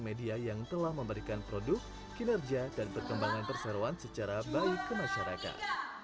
media yang telah memberikan produk kinerja dan perkembangan perseroan secara baik ke masyarakat